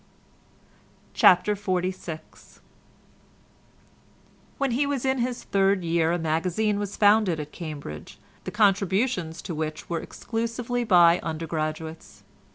CHAPTER XLVI When he was in his third year a magazine was founded at Cambridge, the contributions to which were exclusively by undergraduates.